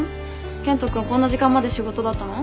健人君こんな時間まで仕事だったの？